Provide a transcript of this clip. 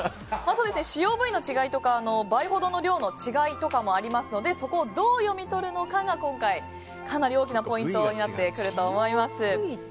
使用部位の違いとか倍ほどの量の違いとかもありますのでそこをどう読み取るのかが今回、かなり大きなポイントになってくると思います。